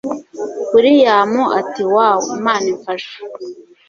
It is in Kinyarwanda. william ati woow imana imfashe